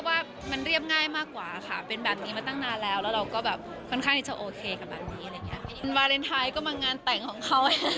วันวาเลนไทยก็มางานแต่งของเขา